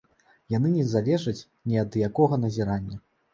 Яны не залежаць ні ад якога назірання.